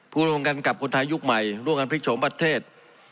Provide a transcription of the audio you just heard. รวมกันกับคนไทยยุคใหม่ร่วมกันพลิกโฉมประเทศ